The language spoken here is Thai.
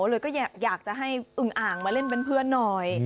เลยก็อยากจะให้อึงอ่างมาเล่นเป็นเพื่อนหน่อย